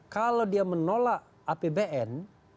kalau dia menolak apbn